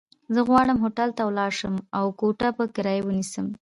زه غواړم هوټل ته ولاړ شم، او کوټه په کرايه ونيسم.